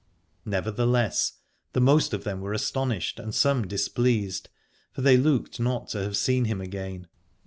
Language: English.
Nevertheless the most of them were astonished and some displeased : for they looked not to have seen him again.